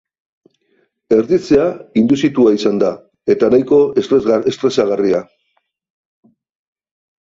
Erditzea induzitua izan da, eta nahiko estresagarria.